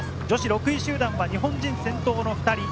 女子６位集団は日本人の２人。